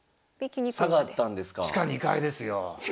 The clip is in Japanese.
地下２階ですよ。